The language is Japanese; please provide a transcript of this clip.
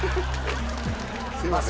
すいません！